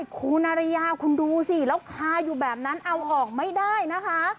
คุณอารยาคุณดูสิแล้วคาอยู่แบบนั้นเอาออกไม่ได้นะคะ